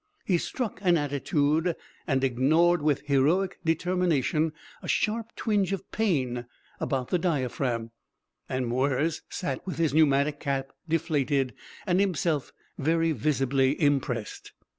He struck an attitude and ignored with heroic determination a sharp twinge of pain about the diaphragm. And Mwres sat with his pneumatic cap deflated and himself very visibly impressed.